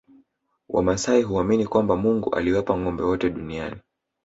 Wamasai huamini kwamba Mungu aliwapa ngombe wote duniani